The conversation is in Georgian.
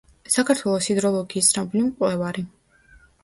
საქართველოს ჰიდროლოგიის ცნობილი მკვლევარი.